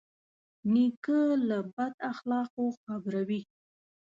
نیکه له بد اخلاقو خبروي.